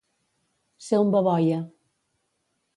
Ser un baboia.